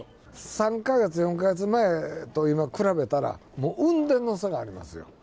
３か月、４か月前と今、比べたら、もううんでいの差がありますよ。